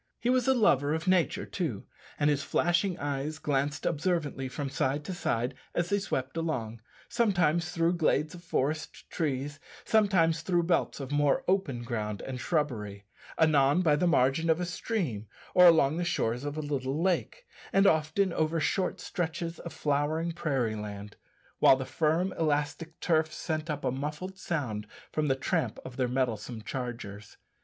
He was a lover of nature, too, and his flashing eyes glanced observantly from side to side as they swept along sometimes through glades of forest trees, sometimes through belts of more open ground and shrubbery; anon by the margin of a stream or along the shores of a little lake, and often over short stretches of flowering prairie land while the firm, elastic turf sent up a muffled sound from the tramp of their mettlesome chargers.